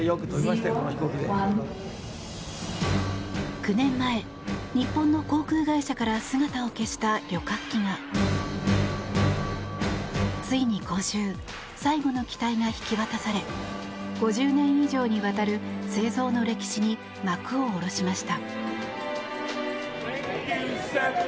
９年前、日本の航空会社から姿を消した旅客機がついに今週最後の機体が引き渡され５０年以上にわたる製造の歴史に幕を下ろしました。